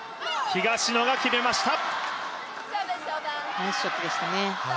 ナイスショットでしたね。